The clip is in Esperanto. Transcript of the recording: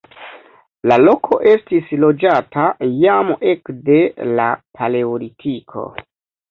La loko estis loĝata jam ekde la paleolitiko.